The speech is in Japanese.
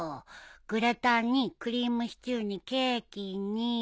グラタンにクリームシチューにケーキに。